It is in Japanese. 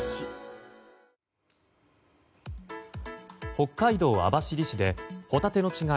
北海道網走市でホタテの稚貝